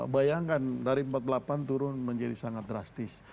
bayangkan dari empat puluh delapan turun menjadi sangat drastis